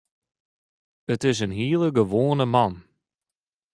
It is in hiele gewoane man.